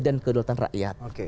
dan kedulatan rakyat